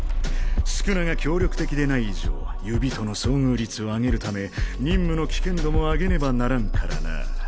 宿儺が協力的でない以上指との遭遇率を上げるため任務の危険度も上げねばならんからな。